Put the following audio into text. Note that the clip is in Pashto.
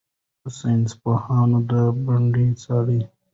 ساینسپوهان دا بڼې څاري.